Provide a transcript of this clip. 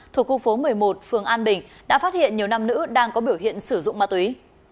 thuộc khu phố một mươi một phường an bình đã phát hiện nhiều nam nữ đang có biểu hiện sử dụng ma túy